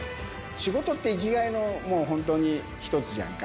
仕事って生きがいのもう本当に一つじゃんか。